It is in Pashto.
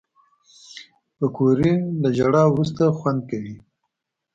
پکورې له ژړا وروسته خوند کوي